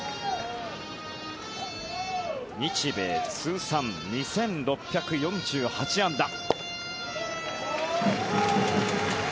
日米通算２６４８安打。